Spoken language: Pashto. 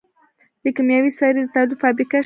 د کیمیاوي سرې د تولید فابریکه شته.